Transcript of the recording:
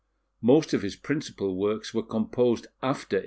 Most of his principal works were composed after 1801.